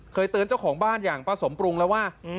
เคยเตือนเจ้าของบ้านอย่างป้าสมปรุงแล้วว่า